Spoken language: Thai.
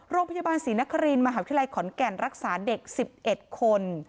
โรงพยาบาลศรีนครินมหาวิทยาลัยขอนแก่นรักษาเด็ก๑๑คน